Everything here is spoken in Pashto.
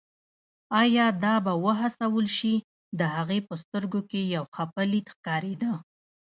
ایا دا به وهڅول شي، د هغې په سترګو کې یو خپه لید ښکارېده.